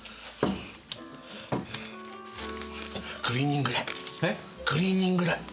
クリーニング代。